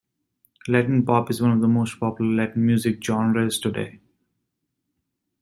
Latin pop is one of the most popular Latin music genres today.